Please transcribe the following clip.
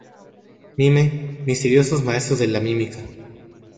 Mime Misteriosos maestros de la mímica.